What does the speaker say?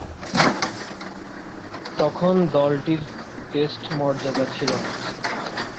তখন দলটির টেস্ট মর্যাদা ছিল না।